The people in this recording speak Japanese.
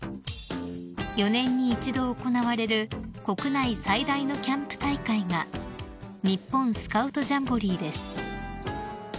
［４年に一度行われる国内最大のキャンプ大会が日本スカウトジャンボリーです］